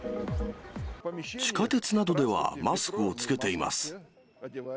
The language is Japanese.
地下鉄などではマスクを着けています。